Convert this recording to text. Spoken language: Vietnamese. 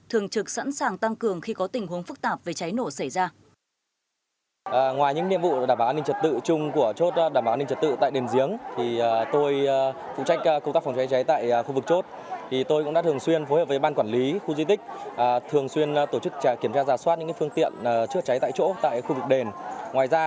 thường trực sẵn sàng tăng cường khi có tình huống phức tạp về cháy nổ xảy ra